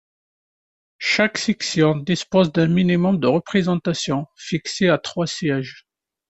Chaque section dispose d'un minimum de représentation, fixé à trois sièges.